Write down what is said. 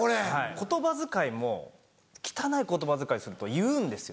言葉遣いも汚い言葉遣いをすると言うんですよ